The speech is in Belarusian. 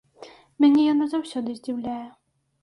Мяне яно заўсёды здзіўляе.